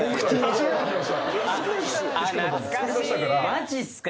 マジっすか。